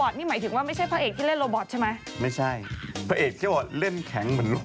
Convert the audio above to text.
ขอเล่าข่ามี้หน่อยได้ไหมคะ